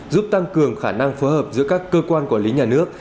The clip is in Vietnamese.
giúp tăng cường khả năng phối hợp giữa các cơ quan quản lý nhà nước